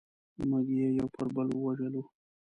موږ یې یو پر بل ووژلو.